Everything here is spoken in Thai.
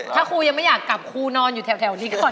ถ้าครูยังไม่อยากกลับครูนอนอยู่แถวนี้ก่อน